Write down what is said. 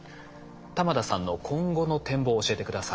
玉田さんの今後の展望を教えて下さい。